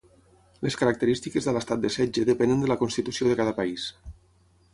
Les característiques de l'estat de setge depenen de la constitució de cada país.